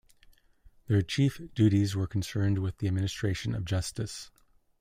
Their chief duties were concerned with the administration of justice.